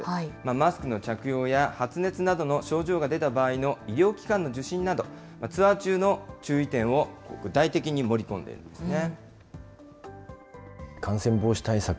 マスクの着用や、発熱などの症状が出た場合の医療機関の受診など、ツアー中の注意点を具体的に盛り込んでいるんですね。